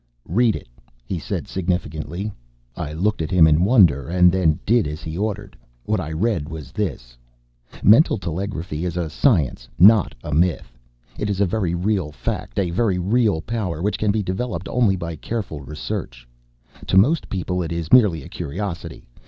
"Read it," he said significantly. I looked at him in wonder, and then did as he ordered. What I read was this: "Mental telegraphy is a science, not a myth. It is a very real fact, a very real power which can be developed only by careful research. To most people it is merely a curiosity.